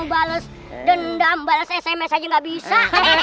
bales dendam bales sms aja nggak bisa